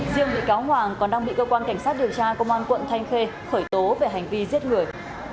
riêng bị cáo hoàng còn đang bị cơ quan cảnh sát điều tra công an quận thanh khê khởi tố về hành vi giết người